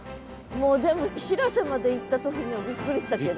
もうでもしらせまで行った時にはびっくりしたけど。